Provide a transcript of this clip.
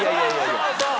そうそう！